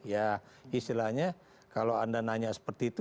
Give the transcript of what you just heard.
ya istilahnya kalau anda nanya seperti itu